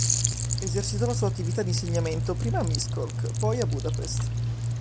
Esercitò la sua attività di insegnante prima a Miskolc, poi a Budapest.